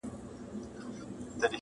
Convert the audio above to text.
o امیرحمزه بابا روح دي ښاد وي,